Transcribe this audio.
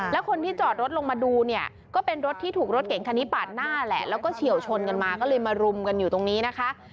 แล้วคนที่จอดรถลงมาดูเนี่ยก็เป็นรถที่ถูกรถเก่งคันนี้ปาดหน้าแหละแล้วก็เฉียวชนกันมาก็เลยมารุมกันอยู่ตรงนี้นะคะ